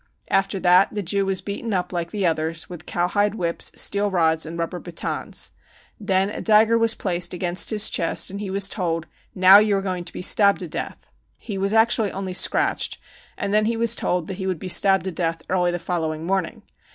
After that the Jew was beaten up like the others, with cow hide whips, steel rods and rubber batons. Then a dagger was placed against his chest and he was told : c Now you are going to be stabbed to death ! 9 He was actually only scratched and then he was told that he would be stabbed to death early the following morning.